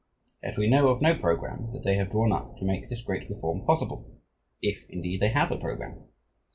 Yet we know of no programme that they have drawn up to make this great reform possible, if indeed they have a programme....